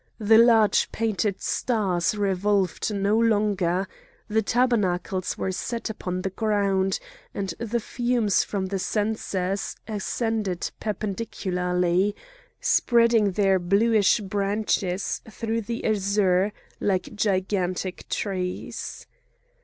The large painted stars revolved no longer; the tabernacles were set upon the ground; and the fumes from the censers ascended perpendicularly, spreading their bluish branches through the azure like gigantic trees.